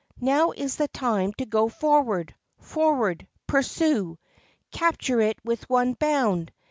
Now is the time to go forward! Forward! Pursue! Capture it with one bound!"